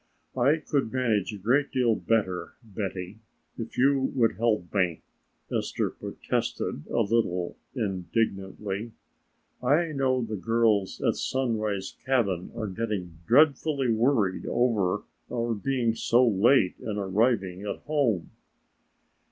"I could manage a great deal better, Betty, if you would help me," Esther protested a little indignantly. "I know the girls at Sunrise cabin are getting dreadfully worried over our being so late in arriving at home."